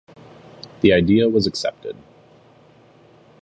The idea was accepted.